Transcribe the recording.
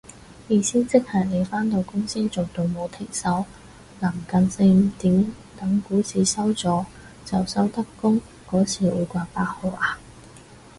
意思即係你返到公司做到冇停手，臨近四五點等股市收咗就收得工嗰時會掛八號啊